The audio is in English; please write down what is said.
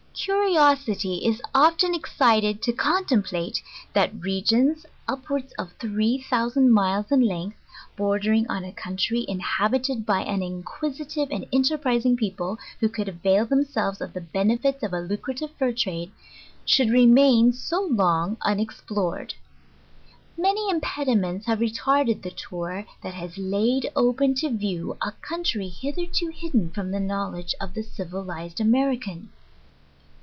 Curiosity is often excited to contemplate, that regions, up wards of three thousand miles in length, bordering on a coun try inhabited by an inquisitive and enterprising people, who could avail themselves of the benefit of a lucrative fur trade, should remain so long unexplored. Many impediments have retarded the tour, that has laid open to view a country hith erto hidden from the knowbdge of the civilized American.